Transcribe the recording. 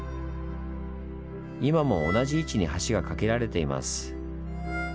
今も同じ位置に橋が架けられています。